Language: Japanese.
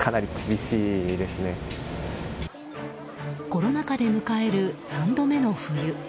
コロナ禍で迎える３度目の冬。